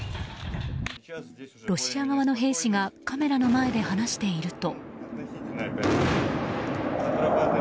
ロシア側の兵士がカメラの前で話していると。